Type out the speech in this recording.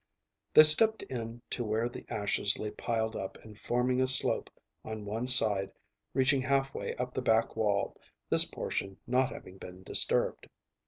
They stepped in to where the ashes lay piled up and forming a slope on one side reaching half way up the back wall, this portion not having been disturbed.